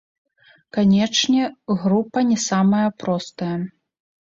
Канечне, група не самая простая.